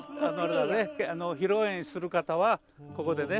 披露宴する方はここでね。